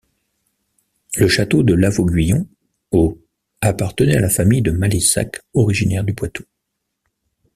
Le château de Lavauguyon au appartenait à la famille de Malessac originaire du Poitou.